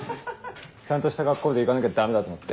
ちゃんとした格好で行かなきゃダメだと思って。